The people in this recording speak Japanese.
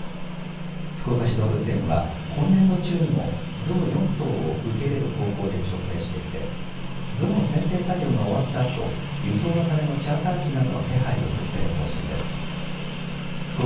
福岡市動物園は今年度中にも象４頭を受け入れる方向で調整していて象の選定作業が終わったあと輸送のためのチャーター機などの手配を進める方針です。